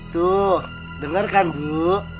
tuh denger kan bu